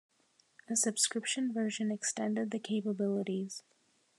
A subscription version extended the capabilities.